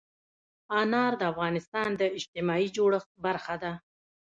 انار د افغانستان د اجتماعي جوړښت برخه ده.